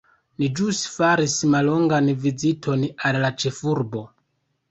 Ni ĵus faris mallongan viziton al la ĉefurbo.